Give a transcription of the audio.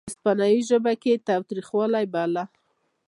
هسپانوي ژبه کې یې تاوتریخوالی باله.